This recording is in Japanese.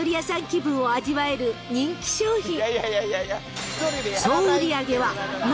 気分を味わえる人気商品］